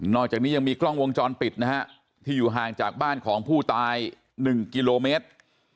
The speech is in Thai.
อกจากนี้ยังมีกล้องวงจรปิดนะฮะที่อยู่ห่างจากบ้านของผู้ตาย๑กิโลเมตร